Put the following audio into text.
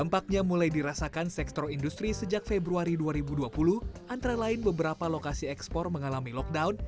pada bulan februari dua ribu dua puluh antara lain beberapa lokasi ekspor mengalami lockdown